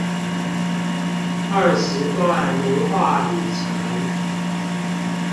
二十段名畫旅程